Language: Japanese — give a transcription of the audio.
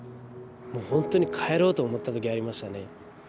ホントに帰ろうと思ったときありましたね